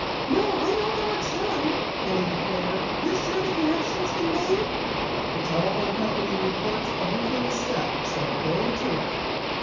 "No, I know how it's done!" Penny declared. "You're sure the connection has been made?" "The telephone company reports everything is set. So go to it!"